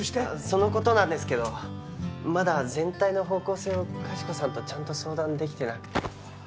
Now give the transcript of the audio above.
その事なんですけどまだ全体の方向性をかしこさんとちゃんと相談できてなくて。